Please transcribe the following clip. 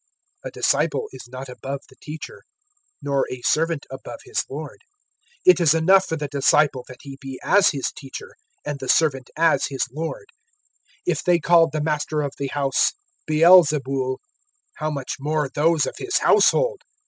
(24)A disciple is not above the teacher, nor a servant above his lord. (25)It is enough for the disciple that he be as his teacher, and the servant as his lord: If they called the master of the house Beelzebul, how much more those of his household!